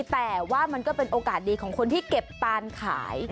แต่ว่ามันก็เป็นโอกาสดีของคนที่เก็บตานขาย